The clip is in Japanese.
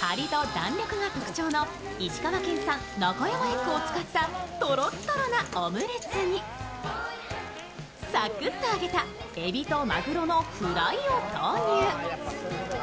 ハリと弾力が特徴の石川県産ナカヤマエッグを使ったトロットロなオムレツにサクッと揚げたエビとマグロのフライを投入。